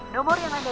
nomor yang ada tujuh